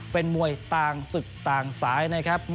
เป็นมวยต่างศึกต่างสายนะครับ